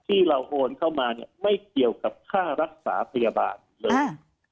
ที่เราโอนเข้ามาเนี่ยไม่เกี่ยวกับค่ารักษาพยาบาลเลย